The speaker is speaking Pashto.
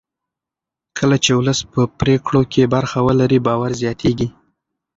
کله چې ولس په پرېکړو کې برخه ولري باور زیاتېږي